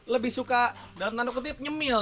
lebih suka dalam tanda kutip nyemil